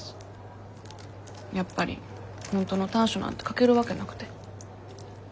やっぱり本当の短所なんて書けるわけなくて。